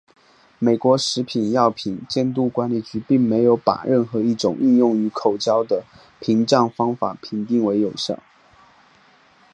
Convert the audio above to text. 美国食品药品监督管理局并没有把任何一种应用于口交的屏障方法评定为有效。